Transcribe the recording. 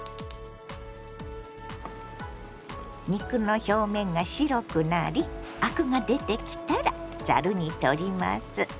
肉の表面が白くなりアクが出てきたらざるにとります。